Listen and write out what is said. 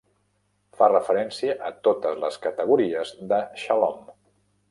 Fa referència a totes les categories de xalom.